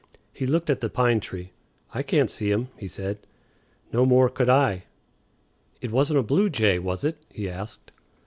He looked at the pine tree. "I can't see him," he said. No more could I. "It wasn't a blue jay, was it?" he asked.